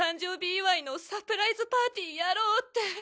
祝いのサプライズパーティーやろうって。